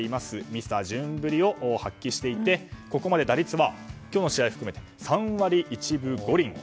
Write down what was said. ミスタージューンぶりを発揮していて、ここまで打率は今日の試合を含めて３割１分５厘。